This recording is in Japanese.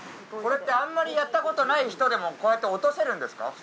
これってあんまりやったことない人でもこうやって落とせるんですか？